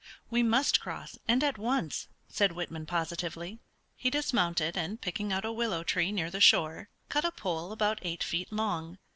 "We must cross, and at once," said Whitman positively. He dismounted, and, picking out a willow tree near the shore, cut a pole about eight feet long.